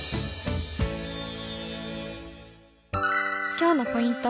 今日のポイント